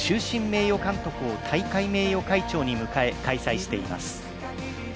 名誉監督を大会名誉会長に迎え開催しています。